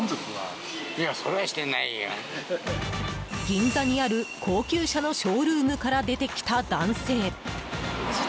銀座にある高級車のショールームから出てきた男性。